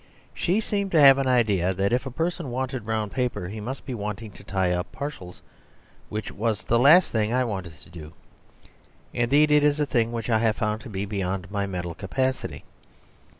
She seemed to have an idea that if a person wanted brown paper he must be wanting to tie up parcels; which was the last thing I wanted to do; indeed, it is a thing which I have found to be beyond my mental capacity.